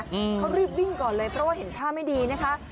เขารีบวิ่งก่อนเลยเพราะว่าเห็นท่าไม่ดีนะคะ